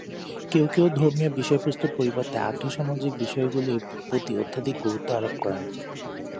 কেউ কেউ ধর্মীয় বিষয়বস্তুর পরিবর্তে আর্থ-সামাজিক বিষয়গুলির প্রতি অত্যধিক গুরুত্ব আরোপ করেন।